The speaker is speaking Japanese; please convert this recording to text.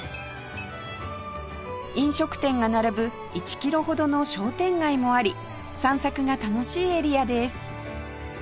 飲食店が並ぶ１キロほどの商店街もあり散策が楽しいエリアです